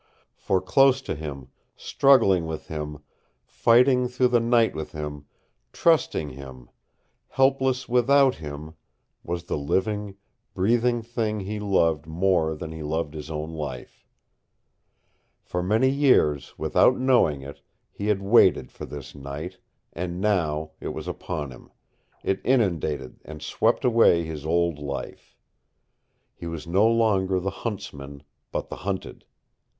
For close to him, struggling with him, fighting through the night with him, trusting him, helpless without him, was the living, breathing thing he loved more than he loved his own life. For many years, without knowing it, he had waited for this night, and now that it was upon him, it inundated and swept away his old life. He was no longer the huntsman, but the hunted.